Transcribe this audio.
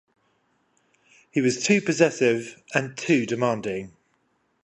He was too possessive and too demanding.